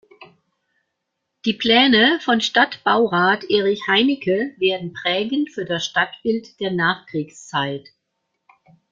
Die Pläne von Stadtbaurat Erich Heinicke werden prägend für das Stadtbild der Nachkriegszeit.